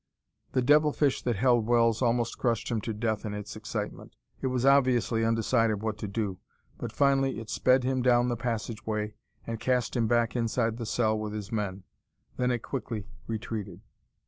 The devil fish that held Wells almost crushed him to death in its excitement. It was obviously undecided what to do; but finally it sped him down the passageway and cast him back inside the cell with his men. Then it quickly retreated.